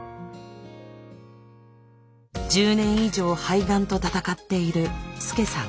１０年以上肺がんと闘っているスケサン。